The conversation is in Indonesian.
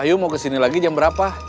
wahyu mau ke sini lagi jam berapa